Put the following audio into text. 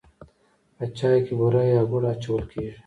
په چای کې بوره یا ګوړه اچول کیږي.